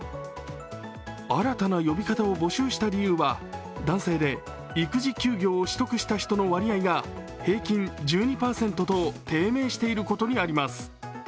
新たな呼び方を募集した理由は男性で育児休業を取得した人の割合が平均１２％と低迷していることにあります。